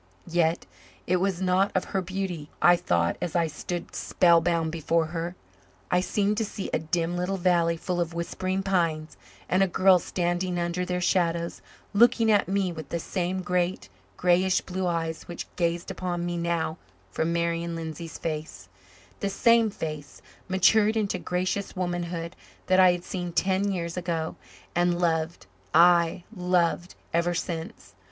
Yet it was not of her beauty I thought as I stood spellbound before her. I seemed to see a dim little valley full of whispering pines, and a girl standing under their shadows, looking at me with the same great, greyish blue eyes which gazed upon me now from Marian Lindsay's face the same face, matured into gracious womanhood, that I had seen ten years ago; and loved aye, loved ever since.